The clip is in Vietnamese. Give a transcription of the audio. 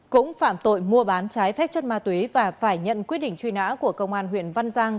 cũng phạm tội mua bán trái phép chất ma túy và phải nhận quyết định truy nã của công an huyện văn giang